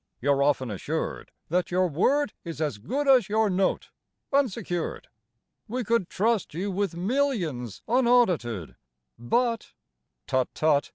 You're often assured That your word is as good as your note unsecured. We could trust you with millions unaudited, but (Tut, tut!